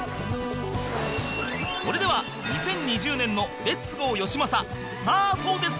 それでは２０２０年のレッツゴーよしまさスタートです！